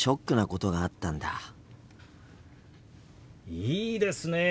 いいですねえ。